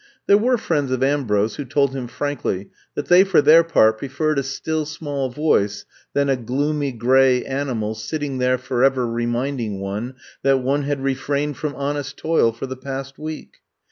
There were friends of Ambrose who told him frankly that they for their part preferred a still small voice than a gloomy, gray animal sitting there forever reminding one that one had refrained from honest toil for the past week.